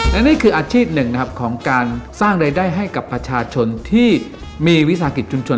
และนี่คืออาชีพหนึ่งนะครับของการสร้างรายได้ให้กับประชาชนที่มีวิสาหกิจชุมชน